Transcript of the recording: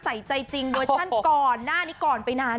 ได้จัดหนักจัดเต็มกับละครของพี่แคท